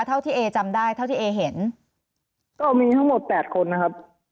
เท่าที่เอจำได้เท่าที่เอเห็นก็มีทั้งหมด๘คนนะครับ